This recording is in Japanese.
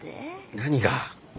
何が？